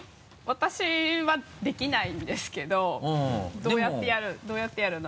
私はできないんですけどどうやってやるん？